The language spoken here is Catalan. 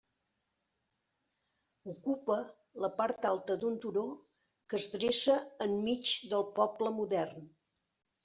Ocupa la part alta d'un turó que es dreça enmig del poble modern.